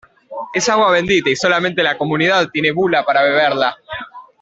es agua bendita, y solamente la Comunidad tiene bula para beberla.